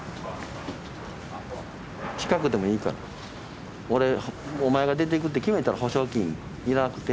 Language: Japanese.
近くでもいいから俺お前が出て行くって決めたら保証金いらなくて